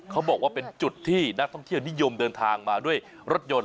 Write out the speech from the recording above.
เขาบอกว่าเป็นจุดที่นักท่องเที่ยวนิยมเดินทางมาด้วยรถยนต์